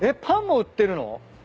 パンも売ってるの？